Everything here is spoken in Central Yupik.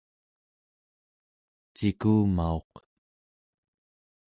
cikumauq